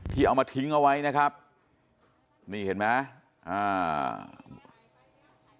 เอามาทิ้งเอาไว้นะครับนี่เห็นไหมอ่า